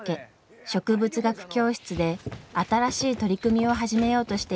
植物学教室で新しい取り組みを始めようとしていました。